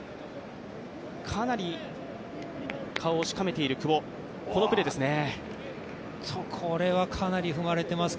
かなり顔をしかめている久保、このプレーです。